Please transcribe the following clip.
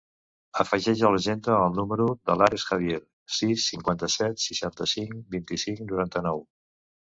Afegeix a l'agenda el número de l'Ares Javier: sis, cinquanta-set, seixanta-cinc, vint-i-cinc, noranta-nou.